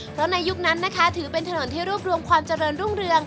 เพราะในยุคนั้นนะคะถือเป็นถนนที่รวบรวมความเจริญรุ่งเรือง